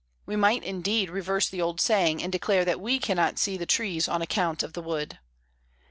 We might, indeed, reverse the old saying, and declare that we cannot see the trees on account of the wood.